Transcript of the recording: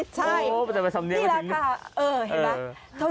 ใช่นี่แหละค่ะ